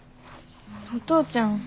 お父ちゃん